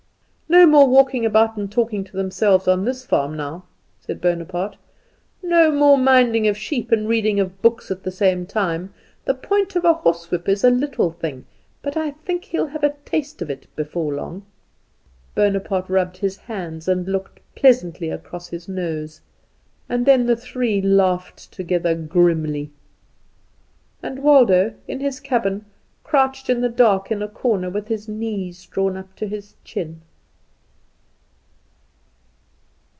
"No more walking about and talking to themselves on this farm now," said Bonaparte; "no more minding of sheep and reading of books at the same time. The point of a horsewhip is a little thing, but I think he'll have a taste of it before long." Bonaparte rubbed his hands and looked pleasantly across his nose; and then the three laughed together grimly. And Waldo in his cabin crouched in the dark in a corner, with his knees drawn up to his chin.